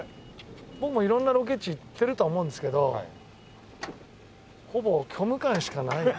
僕も色んなロケ地行ってるとは思うんですけどほぼ虚無感しかない。